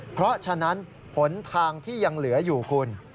เพราะฉะนั้นหนทางที่ยังเหลืออยู่คุณ